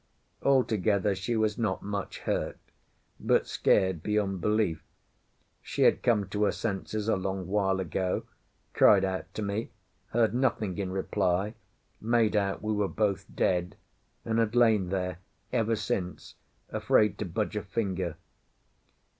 Altogether she was not much hurt, but scared beyond belief; she had come to her senses a long while ago, cried out to me, heard nothing in reply, made out we were both dead, and had lain there ever since, afraid to budge a finger.